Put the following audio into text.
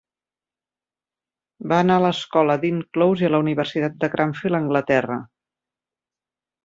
Va anar a l'escola Dean Close i a la Universitat de Cranfield a Anglaterra.